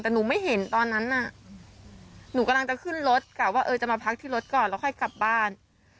แต่หนูไม่เห็นตอนนั้นน่ะหนูกำลังจะขึ้นรถกะว่าเออจะมาพักที่รถก่อนแล้วค่อยกลับบ้าน